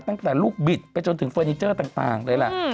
ตั้งแต่ลูกบิดไปจนถึงเฟอร์นิเจอร์ต่างเลยล่ะ